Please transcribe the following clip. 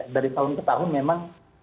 dari tahun ke tahun memang